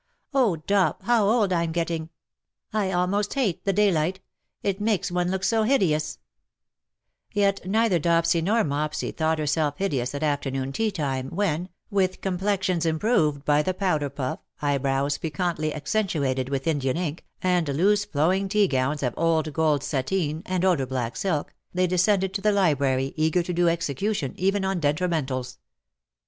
" Oh, Dop, how old I'm getting. I 206 *^ BUT IT SUFFICETH, almost hate tlie daylight : it makes one look so hideous/^ Yet neither Dopsy nor Mopsy thought herself hideous at afternoon tea time, when^ with com plexions improved by the powder puff, eyebrows piquantly accentuated with Indian ink^ and loose flowing tea gowns of old gold sateen,, and older black silk^ they descended to the library, eager to do execution even on detrimentals.